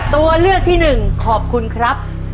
ตัวเลือกที่หนึ่งขอบคุณครับ